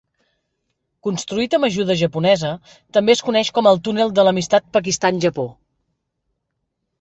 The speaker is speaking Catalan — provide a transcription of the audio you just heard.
Construït amb ajuda japonesa, també es coneix com el Túnel de l'Amistat Pakistan-Japó.